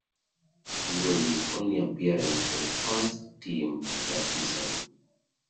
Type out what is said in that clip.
This was his only appearance for the first team in that season.